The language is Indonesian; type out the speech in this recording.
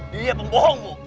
dia pembohong bu